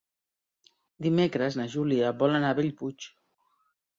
Dimecres na Júlia vol anar a Bellpuig.